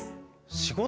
仕事？